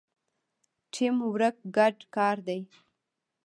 ټیم ورک ګډ کار دی